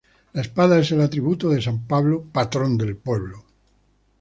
La espada es el atributo de san Pablo, patrón del pueblo.